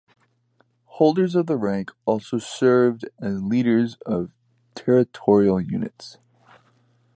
Holders of the rank also served as leaders of territorial units.